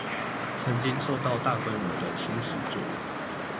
曾經受到大規模的侵蝕作用